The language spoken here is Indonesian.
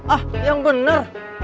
ah yang bener